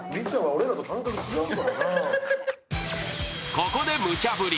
ここでむちゃぶり！